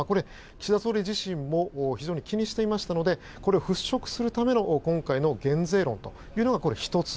岸田総理自身も非常に気にしていましたのでこれを払拭するための今回の減税論が１つ。